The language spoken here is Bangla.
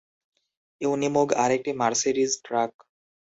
ইউনিমোগ আরেকটা মার্সেডিজ ট্রাক।